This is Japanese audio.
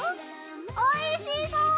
おいしそう！